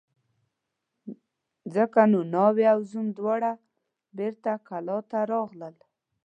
ځکه نو ناوې او زوم دواړه بېرته کلاه ته راغلل.